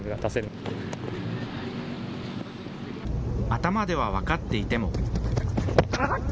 頭では分かっていても。